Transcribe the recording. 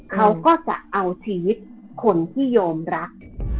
เขาก็จะเอาชีวิตคนที่โยมรัก